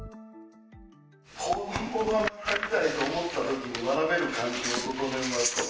子どもが学びたいと思ったときに学べる環境を整えますと。